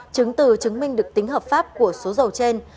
chứng từ chứng minh được tính hợp pháp của số dầu trên